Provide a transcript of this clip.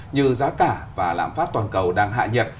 như giá cả và lạm phát toàn cầu đang hạ nhiệt